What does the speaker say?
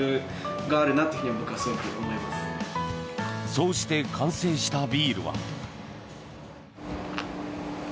そうして完成したビールは。